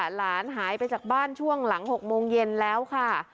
หลานหายไปจากบ้านช่วงหลัง๖โมงเย็นแล้วค่ะ